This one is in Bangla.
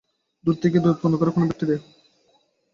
দুধ থেকে দই উৎপন্ন করে কোন ব্যাকটেরিয়া?